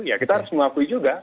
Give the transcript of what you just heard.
ya kita harus mengakui juga